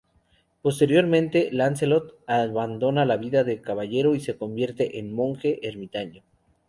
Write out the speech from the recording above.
Posteriormente, Lancelot abandona la vida de caballero y se convierte en monje ermitaño.